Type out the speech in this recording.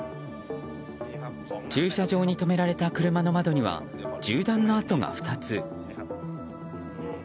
駐車場に止められた車の窓には銃弾の跡が２つ。